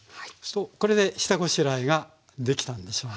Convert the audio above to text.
これで下ごしらえができたんでしょうか？